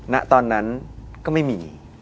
ณตอนนั้นก็ไม่มี